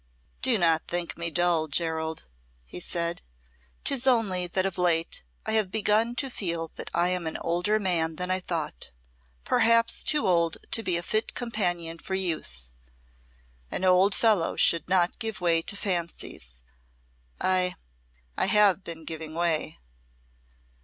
"Do not think me dull, Gerald," he said; "'tis only that of late I have begun to feel that I am an older man than I thought perhaps too old to be a fit companion for youth. An old fellow should not give way to fancies. I I have been giving way."